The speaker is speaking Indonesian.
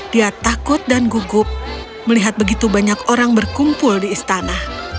dia takut dan gugup melihat begitu banyak orang berkumpul di istana